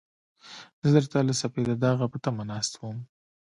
زه درته له سپېده داغه په تمه ناست وم.